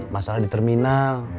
masalah di terminal